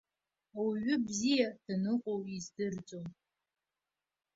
Ауаҩы бзиа даныҟоу издырӡом.